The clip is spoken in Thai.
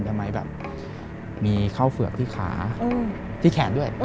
ทำไมแบบมีเข้าเฝือกที่ขาที่แขนด้วย